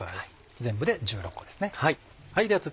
全部で１６個ですね。